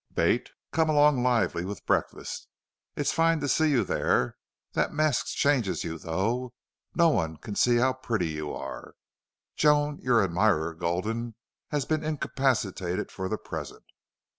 Bate, come along lively with breakfast.... It's fine to see you there. That mask changes you, though. No one can see how pretty you are.... Joan, your admirer, Gulden, has been incapacitated for the present."